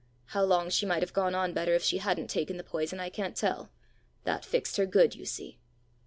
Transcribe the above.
How long she might have gone on better if she hadn't taken the poison, I can't tell. That fixed her good, you see!"